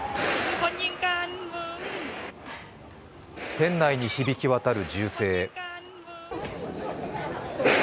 店内に響き渡る銃声。